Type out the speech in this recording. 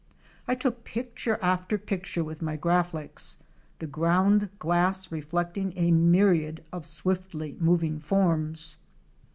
I took picture after picture with my Graflex, the ground glass reflecting a myriad of swiftly moving forms.